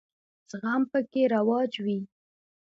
زغم پکې رواج وي.